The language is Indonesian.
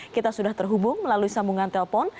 kita sudah terhubung melalui sambungan telpon